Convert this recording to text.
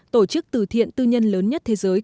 tổ chức từ thiện tư nhân lớn nhất thế giới